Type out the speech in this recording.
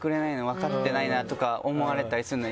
「分かってないな」とか思われたりするの嫌で。